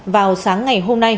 vào sáng ngày hôm nay